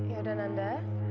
ya udah nanda